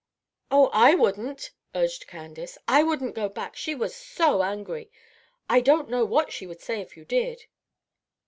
"Oh, I wouldn't," urged Candace, "I wouldn't go back. She was so angry. I don't know what she would say if you did."